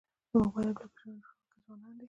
د موبایل اپلیکیشنونو جوړونکي ځوانان دي.